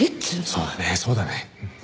そうだねそうだね。